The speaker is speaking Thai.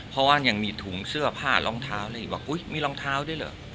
เพราะว่ายังมีถุงเสื้อผ้ารองเท้าเลยอีกว่าอุ๊ยมีรองเท้าด้วยเหรอ